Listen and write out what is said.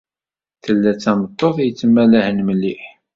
Tella d tameṭṭut yettmalahen mliḥ.